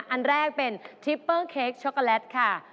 อันแรกเป็นทิปเปอร์เค้กช็อกโกแลตค่ะ